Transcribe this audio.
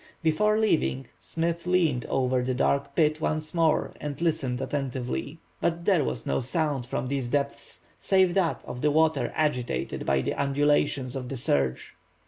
Before leaving, Smith leaned over the dark pit once more and listened attentively. But there was no sound from these depths save that of the water agitated by the undulations of the surge.